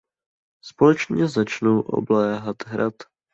Společně začnou obléhat hrad.